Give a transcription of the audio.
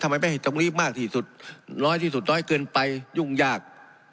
ไม่ให้ตรงนี้มากที่สุดน้อยที่สุดน้อยเกินไปยุ่งยาก